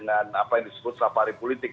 dengan apa yang disebut safari politik